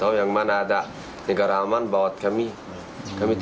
oa volkan sementara semua orang di kalimotr